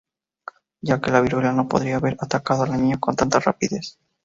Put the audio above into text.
Ya que la viruela no podría haber atacado a la niña con tanta rapidez.